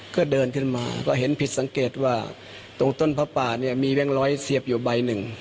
ก็เดินขึ้นมาก็เห็นผิดสังเกตว่าตรงต้นพระป่าเนี่ยมีแบงค์ร้อยเสียบอยู่ใบหนึ่ง